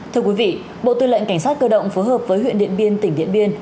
thưa quý vị bộ tư lệnh cảnh sát cơ động phối hợp với huyện điện biên tỉnh điện biên